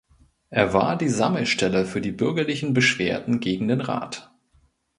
Er war die Sammelstelle für die bürgerlichen Beschwerden gegen den Rat.